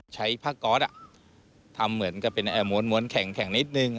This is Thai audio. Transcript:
ใช้ผ้าก๊อตทำเหมือนกับเป็นม้วนแข็งนิดนึง